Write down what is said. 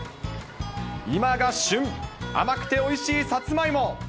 今が旬、甘くておいしいさつまいも。